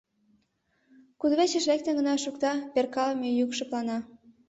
Кудывечыш лектын гына шукта — перкалыме йӱк шыплана.